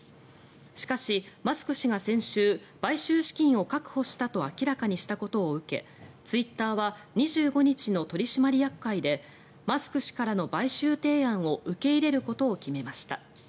しかし、マスク氏が先週買収資金を確保したと明らかにしたことを受けツイッターは２５日の取締役会でマスク氏からの買収提案を受け入れることを決めました。